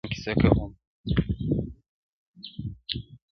• شپې یې سپیني کړې رباب ته زه د ځان کیسه کومه -